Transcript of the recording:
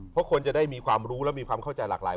เพราะคนจะได้มีความรู้และมีความเข้าใจหลากหลาย